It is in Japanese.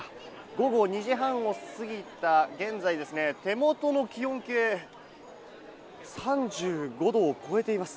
午後２時半を過ぎた、現在ですね、手元の気温計、３５度を超えています。